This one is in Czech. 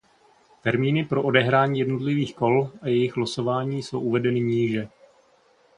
Termíny pro odehrání jednotlivých kol a jejich losování jsou uvedeny níže.